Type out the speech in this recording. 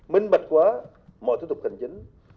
minh bạch quá mọi thứ thuộc hành chính